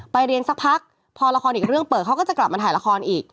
ไปเรียนสักพักพอละครอีกเรื่องเปิดเขาก็จะกลับมาถ่ายละครอีก